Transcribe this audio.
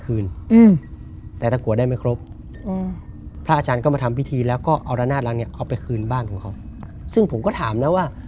เอาไปคืนบ้านของเขาซึ่งผมก็ถามนะว่า